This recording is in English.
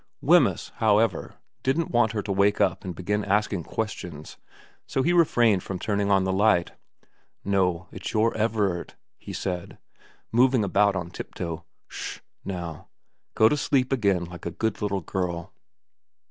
Wemyss, however, didn't want her to wake up and begin asking questions, so he refrained from turning on the light. No, it's your Everard,' he said, moving about on tiptoe. ' Sli sh, now. Go to sleep again like a good little girl.'